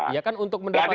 ya kan untuk mendapatkan